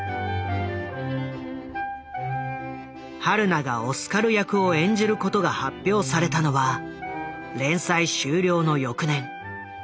榛名がオスカル役を演じることが発表されたのは連載終了の翌年。